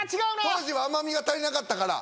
当時は甘みが足りなかったから。